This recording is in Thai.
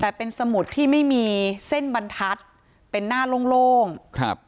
แต่เป็นสมุดที่ไม่มีเส้นบรรทัศน์เป็นหน้าโล่งโล่งครับ